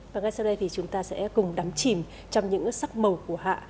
và ngay sau đây thì chúng ta sẽ cùng đắm chìm trong những sắc màu của hạ